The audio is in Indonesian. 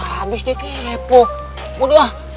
habis dia kepo waduh